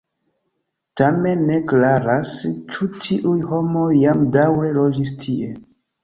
Tamen ne klaras, ĉu tiuj homoj jam daŭre loĝis tie.